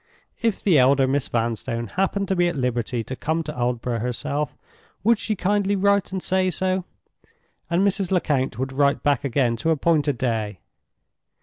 If the elder Miss Vanstone happened to be at liberty to come to Aldborough herself, would she kindly write and say so? and Mrs. Lecount would write back again to appoint a day.